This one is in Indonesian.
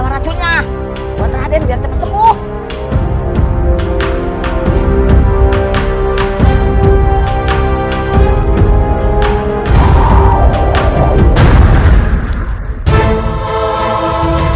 terima kasih atas dukungan anda